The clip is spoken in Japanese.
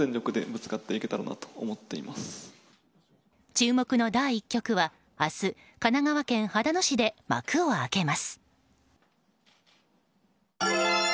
注目の第１局は明日、神奈川県秦野市で幕を開けます。